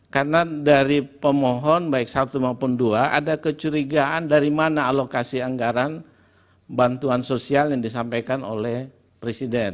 karena dari pemohon baik satu maupun dua ada kecurigaan dari mana alokasi anggaran bantuan sosial yang disampaikan oleh presiden